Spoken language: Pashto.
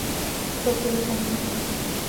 چوکۍ له زمانو راپاتې ده.